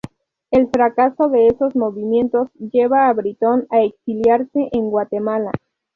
El fracaso de esos movimientos lleva a Britton a exiliarse en Guatemala.